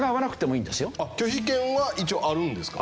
拒否権は一応あるんですか？